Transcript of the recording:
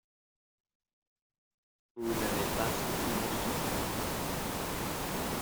Vous n’avez pas senti mon souffle ?